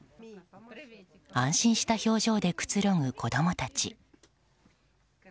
安心した表情でくつろぐ子供たち。